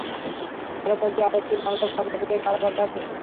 খালেদা জিয়া আরেকটি মামলায় সাজা পেয়ে কারাগারে আছেন।